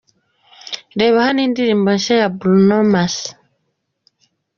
Reba hano indirimbo nshya ya Bruno Mars:.